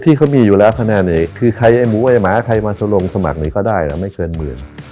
ที่เขามีอยู่แล้วคะแนนนี้คือใครไอ้หมูไอ้หมาใครมาลงสมัครนี้ก็ได้นะไม่เกินหมื่น